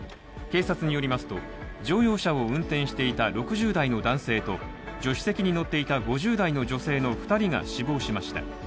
警察によりますと乗用車を運転していた６０代の男性と助手席に乗っていた５０代の女性の２人が死亡しました。